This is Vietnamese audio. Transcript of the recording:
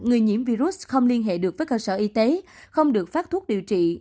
người nhiễm virus không liên hệ được với cơ sở y tế không được phát thuốc điều trị